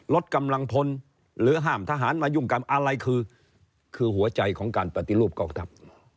ลดกำลังพลหรือห้ามทหารมายุ่งกรรมอะไรคือหัวใจของการปฏิรูปกองทัพ